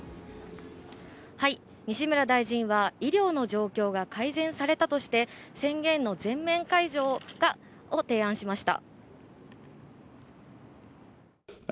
西村大臣は医療の状況が改善されたとして宣言の全面解除を提案しました。